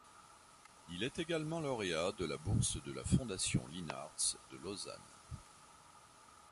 Il est également lauréat de la bourse de la fondation Leenaards de Lausanne.